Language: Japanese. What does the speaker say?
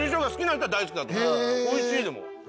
おいしいでも。